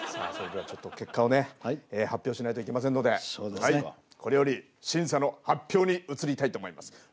それではちょっと結果をね発表しないといけませんのでこれより審査の発表に移りたいと思います。